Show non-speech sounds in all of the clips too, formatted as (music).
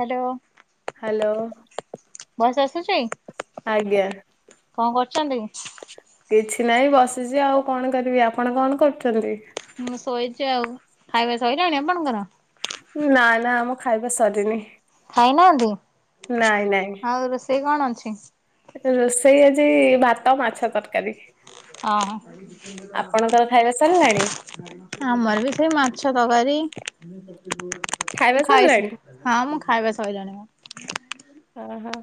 Hello hello voice ଆସୁଛି? ଆଜ୍ଞା। କଣ କରୁଛନ୍ତି? କିଛି ନାହିଁ ବସିଛି ଆଉ କଣ କରିବି ଆପଣ କଣ କରୁଛନ୍ତି? ମୁଁ ଶୋଇଛି ଆଉ ଖାଇବା ସଇଲାଣି ଆପଣଙ୍କର? ନାଁ ନାଁ ଆମ ଖାଇବା ସରିନି। ଖାଇ ନାହାଁନ୍ତି ନାଇଁ ନାଇଁ ଆଉ ରୋଷେଇ କଣ ଅଛି? ରୋଷେଇ ଆଜି ଭାତ ମାଛ ତରକାରୀ। ଅ ହଁ। ଆପଣଙ୍କର ଖାଇବା ସରିଲାଣି? ଆମର ବି ସେଇ ମାଛ ତକାରୀ ଖାଇବା ସାରିଲାଣି ସଇଲାଣି ମୋର। ଅ ହଁ।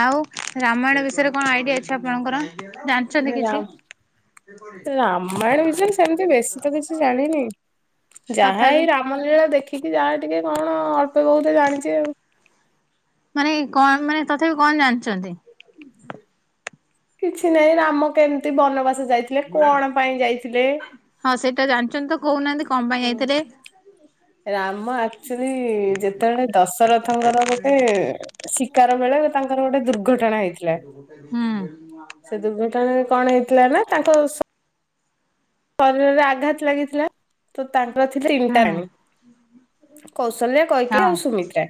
ଆଉ ରାମାୟଣ ବିଷୟରେ କଣ ଆଇଡିଆ ଅଛି ଆପଣଙ୍କର ଜା ରାମ ରାମାୟଣ ବିଷୟରେ ସେମିତି ବେଶୀ ତ କିଛି ଜାଣିନି ଯାହା ତଥାପି? ହେଇ ରାମ ଲୀଳା ଦେଖିକି ଯାହା ଟିକେ କଣ ଅଳ୍ପ ବହୁତେ ଜାଣିଚି ଆଉ। ମାନେ କଁ ମାନେ ତଥାପି କଣ ଜାଣିଛନ୍ତି? କିଛି ନାଇଁ ରାମ କେମିତି ବନବାସ ଯାଇଥିଲେ କଣ ପାଇଁ ଯାଇଥିଲେ। ହଁ ସେଇଟା ଜାଣିଛନ୍ତି ତ କହୁ ନାହାଁନ୍ତି କଣ ପାଇଁ ହୁଁ ଯାଇଥିଲେ? ରାମ ଆକ୍ଚ୍ଆଲି ଯେତେବେଳେ ଦଶରଥଙ୍କର ଗୋଟେ ଶିକାର ବେଳେ ତାଙ୍କର ଗୋଟେ ଦୁର୍ଘଟଣା ହେଇ ଥିଲା ହୁଁ ସେ ଦୁର୍ଘଟଣାରେ କଣ ହେଇଥିଲା ନା ତାଙ୍କ ସ ଶରୀରରେ ଆଘାତ ଲାଗିଥିଲା ତ ତାଙ୍କର ଥିଲେ ହୁଁ ଇନଟାରାଣୀ କୌଶଲ୍ୟା କୈକେୟୀ ହଁ ଆଉ ସୁମିତ୍ରା।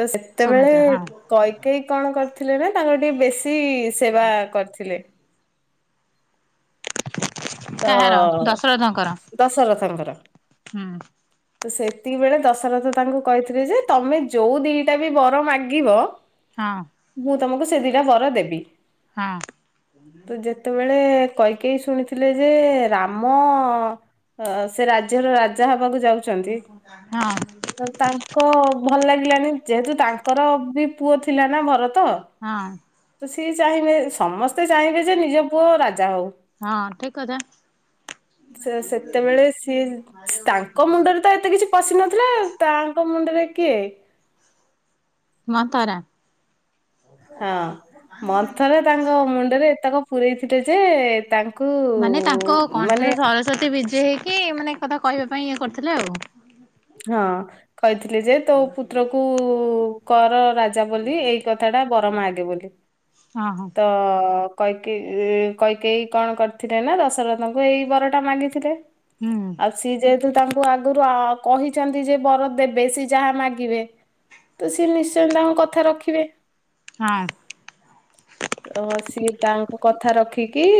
ତ ସେତେବେଳେ ସୁମିତ୍ରା ହଁ କୈକେୟୀ କଣ କରିଥିଲେ ନା ତାଙ୍କର ଟିକେ ବେଶୀ ସେବା କରିଥିଲେ। (inaudible) ତ କାହାର ଦଶରଥଙ୍କର ଦଶରଥଙ୍କର। ହୁଁ ତ ସେତିକିବେଳେ ଦଶରଥ ତାଙ୍କୁ କହିଥିଲେ ଯେ ତମେ ଯୋଉ ଦିଟା ବି ବର ମାଗିବ ହଁ। ମୁଁ ତୋମକୁ ସେ ଦିଟା ବର ଦେବି। ହଁ। ତ ଯେତେବେଳେ କୈକେୟୀ ଶୁଣିଥି ଥିଲେ ଯେ ରାମ ଅ, ସେ ରାଜ୍ୟର ରାଜା ହବାକୁ ଯାଉ ହଁ। ତ ତାଙ୍କ ଭଲ ଲାଗିଲାନି ଯେହେତୁ ତାଙ୍କର ବି ପୁଅ ଥିଲା ନା ଭରତ। ହଁ। ତ ସିଏ ଚାହିଁବେ, ସମସ୍ତେ ଚାହିଁବେ ଯେ ନିଜ ପୁଅ ରାଜା ହଉ। ହଁ ଠିକ କଥା। ସେ ସେତେବେଳେ ସିଏ ତାଙ୍କ ମୁଣ୍ଡରେ ତ ଏତେ କିଛି ପଶି ନଥିଲା ତାଙ୍କ ମୁଣ୍ଡରେ କିଏ ମନ୍ଥରା। ହଁ ମନ୍ଥରା ତାଙ୍କ ମୁଣ୍ଡରେ ଏତକ ପୂରଇଥିଲେ ଯେ, ତା ମାନେ ତାଙ୍କ କଣ୍ଠରେ ସରସ୍ଵତୀ ବିଜେ ହେଇକି ମାନେ ଏ କଥା କହିବା ପାଇଁ ଇଏ କରିଥିଲେ ଆଉ। ହଁ କହିଥିଲେ ଯେ ତୋ ପୁତ୍ର କୁ କର ରା ଜା ବୋଲି ଏଇ କଥା ଟା ବର ମାଗେ ବୋଲି। ହଁ, ହଁ। ତ କୈକେୟୀ ଇ, କୈକେୟୀ କଣ କରିଥିଲେ ନା ଦଶରଥଙ୍କୁ ଏଇ ବରଟା ମାଗିଥିଲେ। ହୁଁ। ଆଉ ସିଏ ଯେହେତୁ ତାଙ୍କୁ ଆଗୁରୁ ଅ, କହିଛନ୍ତି ଯେ ବର ଦେବେ ସିଏ ଯାହା ମାଗିବେ। ତ ସିଏ ନିଶ୍ଚୟ ତାଙ୍କ କଥା ରଖିବେ। ହଁ। ତ ସିଏ ତାଙ୍କ କଥା ରଖିକି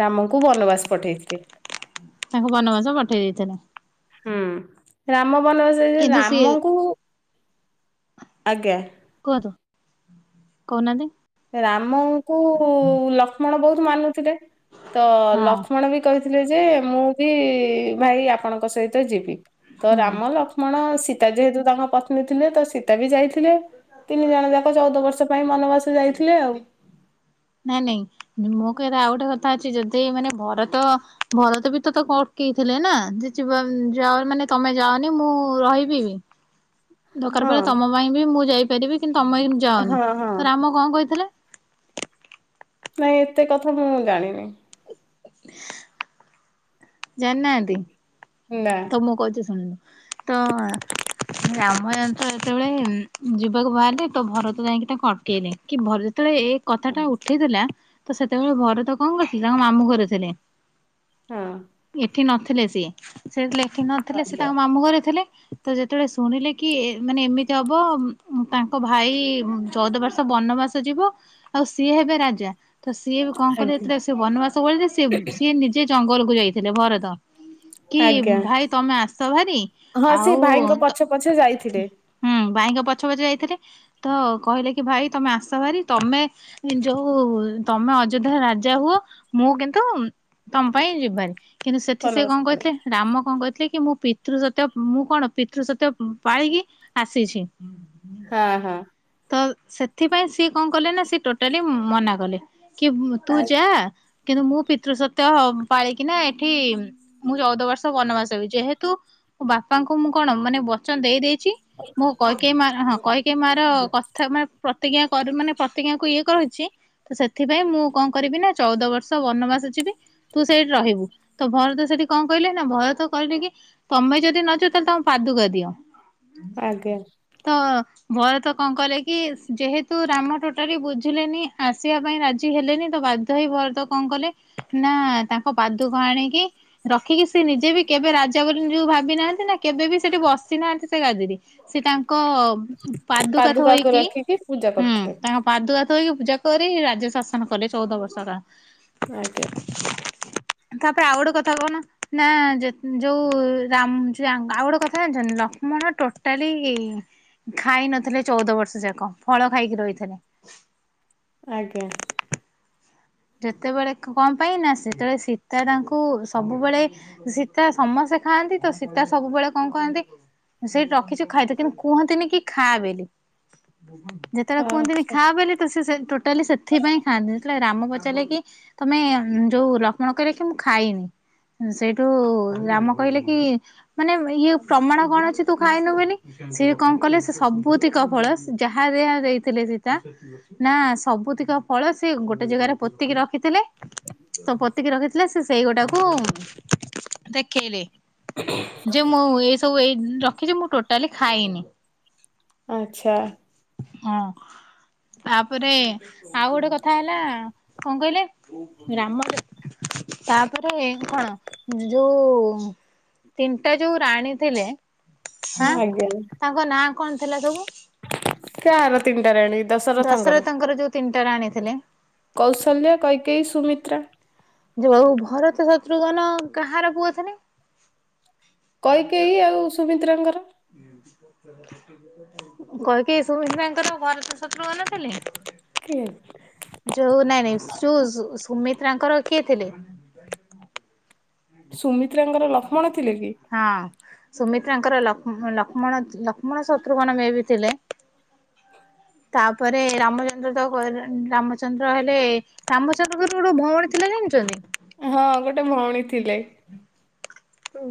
ରାମଙ୍କୁ ବନବାସ ପଠେଇଥିଲେ। ତାଙ୍କୁ ବନବାସ ପଠେଇ ଦେଇଥିଲା। ହୁଁ, ରାମ ବନବାସ ଯାଇଥିଲେ, କିନ୍ତୁ ସିଏ ରାମଙ୍କୁ ଆଜ୍ଞା। କୁହନ୍ତୁ, କହୁନାହାନ୍ତି। ରାମଙ୍କୁ ଲକ୍ଷ୍ମଣ ବହୁତ ମାନୁଥିଲେ, ତ ହଁ ଲକ୍ଷ୍ମଣ ବି କହିଥିଲେ ଯେ ମୁଁ ବି ଭାଇ ଆପଣଙ୍କ ସହିତ ଯିବି ତ ହୁଁ ରାମ ଲକ୍ କ୍ଷ୍ମଣ ସୀତା ଯେହେତୁ ତାଙ୍କ ପତ୍ନୀ ଥିଲେ ତ ସୀତା ବି ଯାଇଥିଲେ, ତିନି ଜଣ ଯାକ ଚଉଦ ବର୍ଷ ପାଇଁ ବନବାସ ଯା ନା ନାଇଁ ମୋ କହିବାର ଆଉ ଗୋଟେ କଥା ଅଛି ଯଦି ମାନେ ଭରତ ଭରତ ବି ତ ତାକୁ ଅଟ କି ଥିଲେ ନା ଯେ ଯିବା ଯାଅ ମାନେ ତୋମେ ଯାଅନି ମୁଁ ରହିବି ବି। ଦରକାର ହଁ। ପଡିଲେ ତୋମ ପାଇଁ ବି ମୁଁ ଯାଇପାରିବି କିନ୍ତୁ ତୋମେ ଯାଅନି, ହଁ ହଁ ତ ରାମ କଣ କହିଥିଲେ? ନାଇଁ ଏତେ କଥା ମୁଁ ଜାଣିନି। ଜାଣିନାହାନ୍ତି, ନା। ତ ମୁଁ କହୁଛି ଶୁଣନ୍ତୁ ତ ରାମ ଜାଣିଛ ଯେତେବେଳେ ଉଁ, ଯିବାକୁ ବାହାରିଲେ ତ ଭରତ ଯାଇକି ତାଙ୍କୁ ଅଟକେଇଲେ, କି ଭଲ ଯେତେଳେ କଥା ହଁ ଟା ଉଠିଥିଲା ତ ସେତେବେଳେ ଭରତ କଣ କରିଥିଲେ ତାଙ୍କ ମାମୁଁ ଘରେ ଥିଲେ। ଏଠି ନଥିଲେ ସିଏ, ସେ ଯେତେବେଳେ ଏଠି ନଥିଲେ ସିଏ ଆଜ୍ଞା ତାଙ୍କ ମାମୁଁ ଘରେ ଥିଲେ। ତ ଯେତେବେଳେ ଶୁଣିଲେ କି ଏ ମାନେ ଏମିତି ହବ ତାଙ୍କ ଉଁ, ଉଁ, ଭାଇ ଉଁ, ଚଉଦ ବର୍ଷ ବନବାସ ସ ଯିବ ଆଉ ସିଏ ହେବେ ରାଜା। ତ ସିଏ ବି କଣ କଲେ ଆଜ୍ଞା ଯେତେଳେ ସେ ବନବାସ ପଳେଇଥିଲେ ସିଏ ବୁ-ସିଏ ନିଜେ ଜଙ୍ଗଲକୁୁ ଯାଇଥିଲେ ଭରତ। କି ଆଜ୍ଞା। ଭାଇ ତମେ ଆସ ହାରି ହଁ ସେ ଆଉ ଭାଇଙ୍କ ତ ପଛେ ପଛେ ଯାଇଥିଲେ ହୁଁ ଭାଇଙ୍କ ପଛେ ପଛେ ଯାଇଥିଲେ ତ କହିଲେ କି ଭାଇ ତମେ ଆସ ହାରି ତମେ ଯୋଉ ତମେ ଅଯୋଧ୍ୟା ର ରାଜା ହୁଅ ମୁଁ କିନ୍ତୁ ତମ ପାଇଁ ଯିବିହାରି କିନ୍ତୁ ସେଠି ସେ ବନବାସ କଣ ପଳେଇ କହିଥିଲେ? ରାମ କଣ କହିଥିଲେ କି ମୁଁ ପିତୃ ସତ୍ୟ ମୁଁ କଣ ପିତୃ ସତ୍ୟ ପାଳିକି ଆସିଛି। ହଁ ହଁ। ତ ସେଥିପାଇଁ ସିଏ କଣ କଲେ, ନା ସିଏ ଟୋଟାଲି ମନା କଲେ କି ତୁ ଯା। କିନ୍ତୁ ମୁଁ ପିତୃ ସତ୍ୟ ପାଳିକିନା ଏଠି ମୁଁ ଚଉଦ ବର୍ଷ ବନବାସ ବିଜେ ଯେହେତୁ ମୁଁ ବାପାଙ୍କୁ ମୁଁ କଣ ମାନେ ବଚନ ଦେଇ ଦେଇଛି ମୁଁ କହି କେୟୀ ମା ହଁ କୈକେୟୀ ମାର କଥା ମାନେ ପ୍ରତିଜ୍ଞା କର ମାନେ ପ୍ରତିଜ୍ଞାକୁ ଇଏ କହିଛି ତ ସେଥିପାଇଁ ମୁଁ କଣ କରିବି ନା ଚଉଦ ବର୍ଷ ବନବାସ ଯିବି। ତୁ ସେଇଠି ରହିବୁ ତ ଭରତ ସେଠି କଣ କହିଲେ? ନା ଭରତ କହିଲେକି କି ତମେ ଯଦି ନ ଯାଅ ତାହେଲେ ତମ ପାଦୁକା ଦିଅ। ଆଜ୍ଞା। ତ ଭରତ କଣ କଲେ କି ଯେହେତୁ ରାମ ଟୋଟାଲି ବୁଝିଲେନି ଆସିବା ପାଇଁ ରାଜି ହେଲେନି ତ ବା ଭାଇ ଭରତ କଣ କଲେ ନା ତାଙ୍କ ପାଦୁକ ଆଣିକି ରଖିକି ସେ ନିଜେ ବି କେବେ ରାଜା ବୋଲି ଯୋଉ ଭାବି ନାହାନ୍ତି ନା କେବେ ବି ସେଠି ବସିନାହାନ୍ତି ସେ ଗାଦିରେ। ସେ ତାଙ୍କ ପାଦୁକା ପାଦୁକାକୁ ଥୋଇକି ରଖିକି ପୂଜା ହୁଁ କରୁଥିଲେ। ତାଙ୍କ ପାଦୁକା ଥୋଇକି ପୂଜା କରି ରାଜ୍ୟ ଶାସନ କଲେ ଚଉଦ ବର୍ଷ। ଆଜ୍ଞା। ତାପରେ ଆଉ ଗୋଟେ କଥା କହୁନ ନା ଯେ ଯୋଉ ରାମ ଆଉ ଗୋଟେ କଥା ଜାଣିଛ ନା ଲକ୍ଷ୍ମଣ ଟୋଟାଲି ଖାଇ ନଥିଲେ ଚଉଦ ବର୍ଷ ଯାକ ଫଳ ଖାଇକି ରହିଥିଲେ। ଆଜ୍ଞା। ଯେତେବେଳେ କଣ ପାଇଁ ନା ସେତେବେଳେ ସୀତା ତାଙ୍କୁ ସବୁବେଳେ ସୀତା ସମସ୍ତେ ଖାଆନ୍ତି ତ ସୀତା ସବୁବେଳେ କଣ କରନ୍ତି ସେଇଠି ରଖିଛୁ ଖାଇତା ତେ କିନ୍ତୁ କୁହନ୍ତିନି କି ଖାଆ ବୋଲି ବୋଲି। ଯେତେବେଳେ ଆ କୁହନ୍ତିନି ଖା ବୋଲି ତ ସେ ଟୋ ଟାଲି ସେଥିପାଇଁ ଖାଆନ୍ତିନି ଯେତେବେଳେ ରାମ ପଚାରିଲେ କି ତମେ ଯୋଉ ଲକ୍ଷ୍ମଣ କହିଲେ କି ମୁଁ ଖାଇନି। ସେଇଠୁ ରାମ କହିଲେ କି ମାନେ ଇଏ ପ୍ରମାଣ କଣ ଅଛି ତୁ ଖାଇନୁ ବୋଲି? ସିଏ କଣ କଲେ ସେ ସବୁତି କଫଳ ଯାହା ଯହା ଦେଇଥିଲେ ସୀତା ନା ସବୁତିକ ଫଳ ସେ ଗୋଟେ ଜାଗାରେ ପୋତିକି ରଖିଥିଲେ। ତୋ ପତିକି ରଖିଥିଲେ ସେ ସେଇ ଗୋଟାକୁ ଦେଖେଇଲେ ଯେ ମୁଁ ଏଇ ସବୁ ଏଇ ରଖିଛି ମୁଁ ଟୋଟାଲି ଖାଇନି। ଆଚ୍ଛା। ହଁ ତାପରେ ଆଉ ଗୋଟେ କଥା ହେଲା କଣ କହିଲେ ରାମ ରେ ତାପରେ କଣ ଯୋଉ ତିନିଟା ଯୋଉ ରାଣୀ ଥିଲେ ହାଁ ତାଙ୍କ ନାଁ କଣ ଥିଲା ସବୁ? କାର ତିନି ରାଣୀ? ଦଶରଥଙ୍କର ଯୋଉ ତିନିଟା ରାଣିଥିଲେ। କୌଶଲ୍ୟ କୈକେଇ ସୁମିତ୍ରା। ଯୋଉ ଭରତ ଶତ୍ରୁଘ୍ନ କାହାର ପୁଅ ଥିଲେ? କୈକେଇ ଆଉ ସୁମିତ୍ରାଙ୍କର। (inaudible) କୈକେଇ ସୁମିତ୍ରାଙ୍କର ଭରତ ଶତ୍ରୁଘନ ଥିଲେ। କିଏ? ଯୋଉ ନାଇଁ ନାଇଁ ସୁ ସୁମିତ୍ରାଙ୍କର କିଏ ଥିଲେ? ସୁମିତ୍ରାଙ୍କର ଲକ୍ଷ୍ମଣ ଥିଲେ କି? ହଁ। ସୁମିତ୍ରାଙ୍କର ଲକ୍ଷ୍ମମଣ ଲକ୍ଷ୍ମଣ ଶତ୍ରୁଘ୍ନ ମେ ବି ଥିଲେ। ତାପରେ ରାମଚନ୍ଦ୍ର ତ ରାମଚନ୍ଦ୍ର ହେଲେ। ରାମଚନ୍ଦ୍ରଙ୍କର ଗୋଟେ ଭଉଣୀ ଥିଲା ଜାଣିଛନ୍ତି। ହଁ ଗୋଟେ ଭଉଣୀ ଥିଲେ।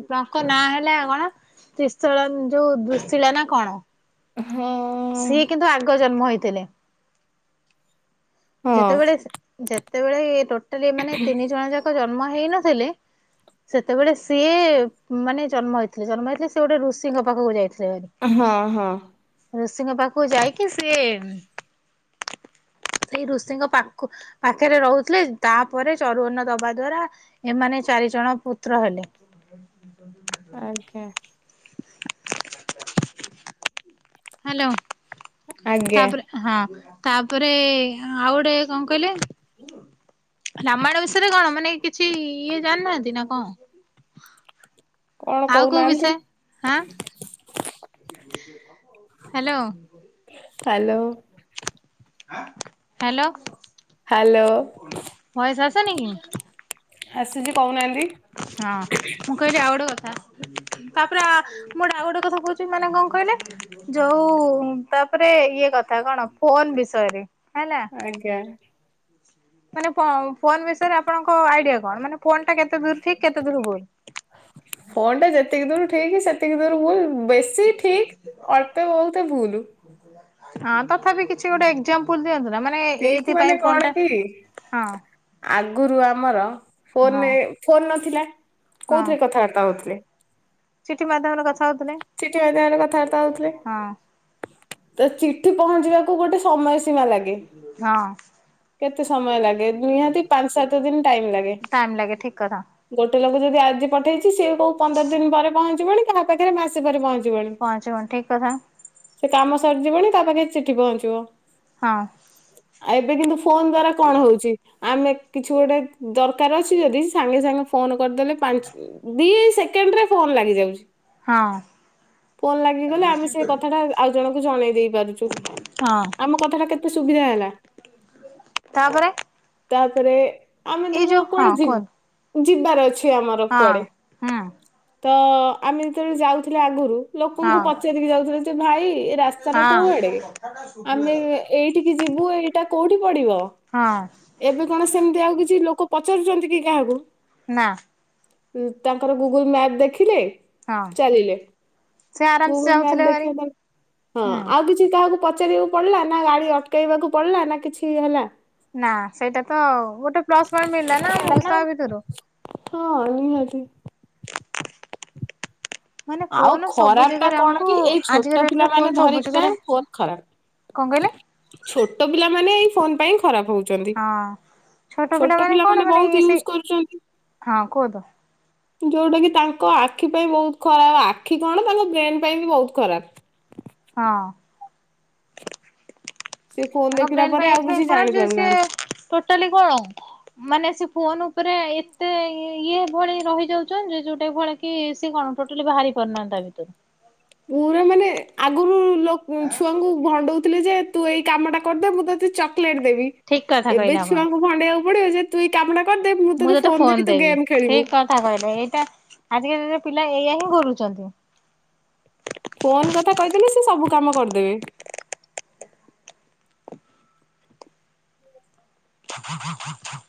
ତାଙ୍କ ନାଁ ହେଲା କଣ ତ୍ରିସଅଳା ଯୋଉ ଦୁଃଶୀଳା ନା କଣ? ହଁ। ସିଏ କିନ୍ତୁ ଆଗ ଜନ୍ମ ହେଇଥିଲେ। ହଁ ଯେତେବେଳେ ଯେତେବେଳେ ଟୋଟାଲି ମାନେ ତିନି ଜଣ ଯା ଜନ୍ମ ହେଇନଥିଲେ। ସେତେବେଳେ ସିଏ ମାନେ ଜନ୍ମ ହେଇଥିଲେ ଜନ୍ମ ହେଇଥିଲେ ସେ ଗୋଟେ ଋଷିଙ୍କ ପାଖକୁ ଯାଇଥିଲେ। ହଁ ହଁ। ଋଷିଙ୍କ ପାଖକୁ ଯାଇକି ସିଏ ସେଇ ଋଷିଙ୍କ ପାଖ ପାଖରେ ରହୁଥିଲେ ତାପରେ ଚରୁବନ ଦବା ଦ୍ଵାରା ଏମାନେ ଚାରି ଜଣ ପୁତ୍ର ହେଲେ। ଆଜ୍ଞା। ହ୍ୟାଲୋ ଆଜ୍ଞା ତାପରେ। ହଁ। ତାପରେ ଆଉ ଗୋଟେ କଣ କହିଲେ? ରାମାୟଣ ବିଷୟରେ କଣ ମାନେ କିଛି ଇଏ ଜାଣିନାହାନ୍ତି ନା କଣ? କଣ ଆଉ କୋଉ ବିଷୟ କହୁନାହାନ୍ତି। ହାଁ hello. Hello. Hello hello voice ଆସୁନି କି। ଆସିଛି କହୁନାହାନ୍ତି। ହଁ। ମୁଁ କହିଲି ଆଉ ଗୋଟେ କଥା ତାପରେ ମୋ ଡା ଆଉ ଗୋଟେ କଥା କହୁଛି ମାନେ କଣ କହିଲେ? ଯୋଉ ତାପରେ ଇଏ କଥା କଣ ଫୋନ ବିଷୟରେ ହେଲା ଆଜ୍ଞା। ମାନେ ଫୋନ୍ ବିଷୟରେ ଆପଣଙ୍କ ଆଇଡିଆ କଣ ମାନେ ଫୋନ୍ ଟା କେତେ ଦୂର ଠିକ କେତେ ଦୂର ଭୁଲ। ଫୋନ୍ ଟା ଯେତିକି ଦୂର ଠିକ୍ ସେତିକି ଦୂର ହୁ ବେଶୀ ଠିକ ଅଳ୍ପେ ବହୁତ ଭୁଲ। ହଁ ତଥାପି କିଛି ଗୋଟେ। ଏକ୍ସାମ୍ପ୍ଲ ଦିଅନ୍ତୁ ନା ମାନେ ଠିକ୍ ମାନେ ଏଇଥିପାଇଁ ଫୋନ କଣ ଟା କି ହଁ। ଆଗରୁ ଆମର ହଁ ଫୋନ ଫୋନ ନଥିଲା ହଁ କୋଉଥିରେ କଥାବାର୍ତ୍ତା ହଉଥିଲେ। ଚିଠି ମାଧ୍ୟମରେ କଥା ହଉଥିଲେ। ଚିଠି ମାଧ୍ୟମରେ କଥାବାର୍ତ୍ତା ହଉଥିଲେ ହଁ ତ ଚିଠି ପହଞ୍ଚିବାକୁ ଗୋଟେ ସମୟସୀମା। ହଁ। କେତେ ସମୟ ଲାଗେ ନିହାତି ପାଞ୍ଚ ସାତ ଦିନ ଟାଇମ ଲାଗେ। ଟାଇମ ଲାଗେ ଠିକ କଥା ଗୋଟେ କଲେ ଯଦି ଆଜି ପଠେଇଛି ସିଏ କୋଉ ପନ୍ଦର ଦିନ ପରେ ପହଞ୍ଚିବନଣି କାହା ପାଖରେ ମାସେ ସେ ପହଞ୍ଚିବନି ପହଞ୍ଚିବନି ଠିକ କଥା ସେ କାମ ସରିଯିବଣି ତା ପାଖରେ ଚିଠି ପହଞ୍ଚିବ। ହଁ। ଆ ଏବେ କିନ୍ତୁ ଫୋନ ଦ୍ଵାରା କଣ ହଉଛି? ଆମେ କିଛି ଗୋଟେ ଦରକାର ଅଛି ଯଦି ସାଙ୍ଗେ ସାଙ୍ଗେ ଫୋନ କରିଦେଲେ ପାଞ୍ଚ ଦି ସେକେଣ୍ଡ ରେ ଫୋନ୍ ଲାଗିଯାଉଛି। ହଁ। ଫୋନ୍ ଲାଗିଗଲେ ଆମେ ସେ କଥା ଟା ଆଉ ଜଣଙ୍କୁ ଜଣେଇ ଦେଇ ପାରୁଛୁ। ହଁ ଆମ କଥା ଟା କେତେ ସୁବିଧା ହେଲା। ତାପରେ? ତାପରେ ଆମେ ଏଇ ଧର ଯୋଉ ହଁ କୁଆଡେ ଯି କୁହନ୍ତୁ ଯିବାର ଅଛି ଫେ ଆମର ହଁ କୁଆଡେ ହୁଁ ତ ଆମେ ଯେତେବେଳେ ଯାଉଥିଲେ ଆଗରୁ ଲୋକଙ୍କୁ ହଁ ପଚାରିକି ଯାଉଥିଲେ ଯେ ଭାଇ ଏ ରାସ୍ତା ଟା ହଁ କୋଉଆଡେ ଆମେ ଏଇ ଏଠିକି ଯିବୁ ଏଇଟା କୋଉଠି ପଡିବ? ହଁ। ଏବେ କଣ ସେମିତି ଆଉ କିଛି ଲୋକ ପଚାରୁଛନ୍ତି କି କାହାକୁ? ନା। ତାଙ୍କର ଗୁଗୁଲ ମ୍ୟାପ ଦେଖିଲେ ହଁ ଚାଲିଲେ। ସେ ଆରାମସେ ଗୁଗଲ ମ୍ୟାପ ଯାଉଥିଲେ ଭାରି ଦେଖିବା ଦର୍ ହୁଁ ହଁ କିଛି କାହାକୁ ପଚାରିବାକୁ ପଡିଲା ନା ଗାଡି ଅଟକେଇବାକୁ ପଡିଲା ନା କିଛି ହେଲା। ନା ସେଇଟା ତ ଗୋଟେ ପ୍ଲସ୍ ପଏଣ୍ଟ ମିଳିଲା ନା ଆମକୁ ତା ଭିତରୁ। ହଁ ନିହାତି। ମାନେ ଆଉ ଫୋନ ସବୁ ଖରାପ ଟା ଜାଗାରେ କଣ ଆମକୁ କି ଏଇ ଛୋଟ ଆଜିକା ଡେଟ୍ଟରେ ପିଲାମାନେ ଫୋନ ସବୁ ଧରିକିନା ଜାଗାରେ। ଫୋନ ଖରାପ। କଣ କହିଲେ? ଛୋଟ ପିଲାମାନେ ଏଇ ଫୋନ ପାଇଁ ଖରାପ ହଉଛି। ହଁ ଛୋଟ କଣ ପିଲାମାନେ ମାନେ ଇଏ ବହୁତ ସେ ୟୁଜ କରୁଛନ୍ତି। ହଁ କୁହନ୍ତୁ। ଯଉଟା କିି ତାଙ୍କ ଆଖି ପାଇଁ ବହୁତ ଖରାପ ଆଖି କଣ ତାଙ୍କ ବ୍ରେନ ପାଇଁ ବି ବହୁତ ଖରାପ। ହଁ। ସେ ଫୋନ ତାଙ୍କ ଦେଖିଲା ବ୍ରେନ ପରେ ପାଇଁ ଆଉ କିଛି ଏଥିପାଇଁ ଜାଣି ଖରାପ ଯେ ସି ପାରୁନାହାନ୍ତି। ଟୋଟାଲି କଣ। ମାନେ ସେ ଫୋନ ଉପରେ ଏତେ ଇଏ ଭଳି ରହି ଯାଉଛନ୍ତି ଯେ ଯୋଉଟା ଭଳି। କି ସେ କଣ ଟୋଟାଲି ବାହାରି ପାରୁନାହାନ୍ତି ତା ଭିତରୁ। ପୁରା ମାନେ ଆଗରୁ ଲ ଛୁଆଙ୍କୁ ଭଣ୍ଡଉଥିଲେ ଯେ ତୁ ଏଇ କାମ ଟା କରିଦେ ମୁଁ ତତେ ଚକ୍। ଚକଲଟେ ଦେବି। ଠିକ କଥା ଏବେ କହିଲେ ଆପଣ ଛୁଆଙ୍କୁ ଭଣ୍ଡେଇବାକୁ ପଡିବ ଯେ ତୁ ଏ କାମ ଟା କରିଦେ ମୁଁ ତୋତେ ଫୋନ ଦେବି ତୁ ଗେମ୍ ଖେଳିବୁ। କଥା କହିଲେ ଏଇଟା ଆଜିକାଲିର ପିଲା ଏଇଆ ହିଁ କରୁଛନ୍ତି। ଫୋନ କଥା କହିଥିଲେ ସେ ସବୁ କାମ କରିଦେବେ। ।